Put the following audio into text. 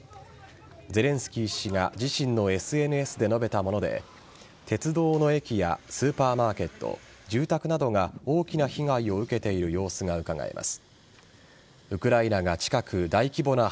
ゼレンスキー氏が自身のＳＮＳで述べたもので鉄道の駅やスーパーマーケット住宅などが大きな被害を受けている様子がうかがえます。